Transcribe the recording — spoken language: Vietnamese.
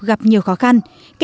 gặp nhiều khó khăn